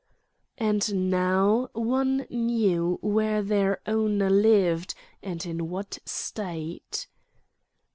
And now one knew where their owner lived, and in what state